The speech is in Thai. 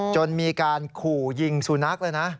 จนมีการขู่ยิงสุนัขเลยนะ